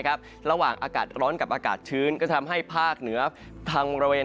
อากาศร้อนกับอากาศชื้นก็ทำให้ภาคเหนือทางบริเวณ